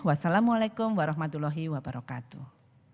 wassalamualaikum warahmatullahi wabarakatuh